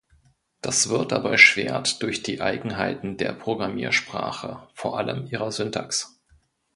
Das wird aber erschwert durch die Eigenheiten der Programmiersprache, vor allem ihrer Syntax.